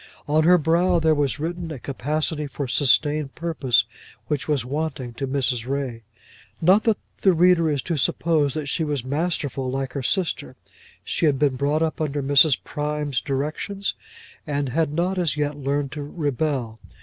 On her brow there was written a capacity for sustained purpose which was wanting to Mrs. Ray. Not that the reader is to suppose that she was masterful like her sister. She had been brought up under Mrs. Prime's directions, and had not, as yet, learned to rebel.